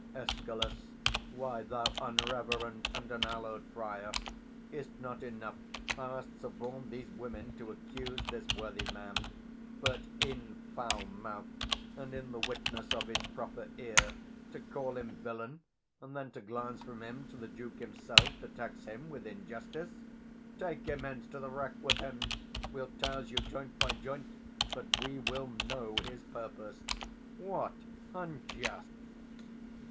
Escal. Why, thou unreverend and unhallow'd friar, Is't not enough thou hast suborn'd these women To accuse this worthy man, but, in foul mouth, 305 And in the witness of his proper ear, To call him villain? and then to glance from him To the Duke himself, to tax him with injustice? Take him hence; to the rack with him! We'll touse you Joint by joint, but we will know his purpose. 310 What, 'unjust'!